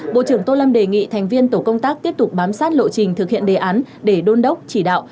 bộ trưởng tô lâm đề nghị thành viên tổ công tác tiếp tục bám sát lộ trình thực hiện đề án để đôn đốc chỉ đạo